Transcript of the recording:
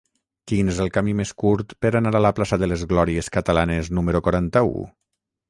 Quin és el camí més curt per anar a la plaça de les Glòries Catalanes número quaranta-u?